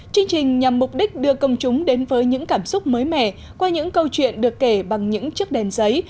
chương trình nhằm mục đích đưa công chúng đến với những cảm xúc mới mẻ qua những câu chuyện được kể bằng những chiếc đèn giấy